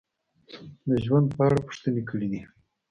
د ژوند په اړه پوښتنې کړې دي: